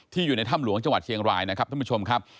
อยู่ในถ้ำหลวงจังหวัดเชียงรายนะครับท่านผู้ชมครับ